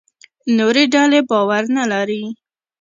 نورې ډلې باور نه لري.